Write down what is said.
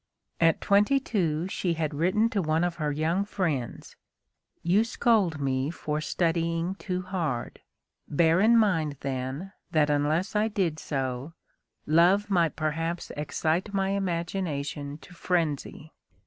At twenty two she had written to one of her young friends: "You scold me for studying too hard. Bear in mind, then, that unless I did so, love might perhaps excite my imagination to frenzy.